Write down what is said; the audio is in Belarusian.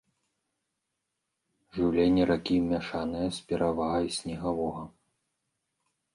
Жыўленне ракі мяшанае з перавагай снегавога.